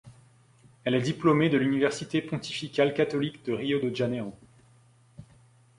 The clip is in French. Elle est diplômée de l'Université pontificale catholique de Rio de Janeiro.